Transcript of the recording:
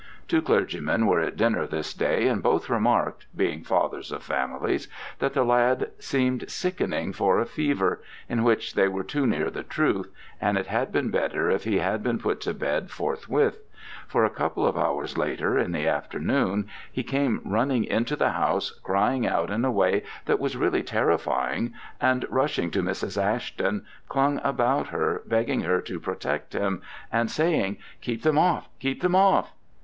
Two clergymen were at dinner this day, and both remarked being fathers of families that the lad seemed sickening for a fever, in which they were too near the truth, and it had been better if he had been put to bed forthwith: for a couple of hours later in the afternoon he came running into the house, crying out in a way that was really terrifying, and rushing to Mrs. Ashton, clung about her, begging her to protect him, and saying, "Keep them off! keep them off!"